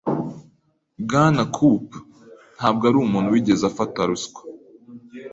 Bwana Koop ntabwo arumuntu wigeze afata ruswa.